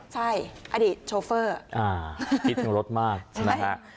ใช่อดีตโชเฟอร์คิดถึงรถมากนะฮะ